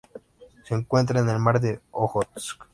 Se encuentra en el Mar de Ojotsk.